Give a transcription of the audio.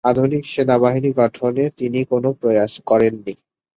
আধুনিক সেনাবাহিনী গঠনে তিনি কোনও প্রয়াস করেননি।